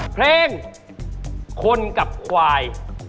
เพลงคนกับควาย